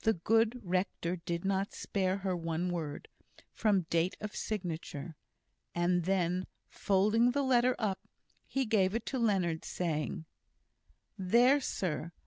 The good rector did not spare her one word, from date to signature; and then, folding the letter up, he gave it to Leonard, saying: "There, sir!